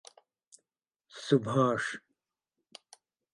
Subhash.